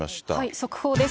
速報です。